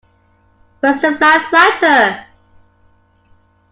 Where is the fly swatter?